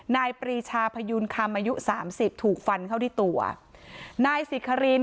ปรีชาพยูนคำอายุสามสิบถูกฟันเข้าที่ตัวนายสิคริน